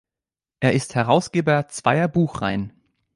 Er ist Herausgeber zweier Buchreihen.